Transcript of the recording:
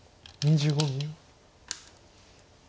２５秒。